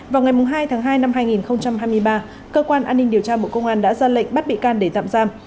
vào ngày hai tháng hai năm hai nghìn hai mươi ba cơ quan an ninh điều tra bộ công an đã ra lệnh bắt bị can để tạm giam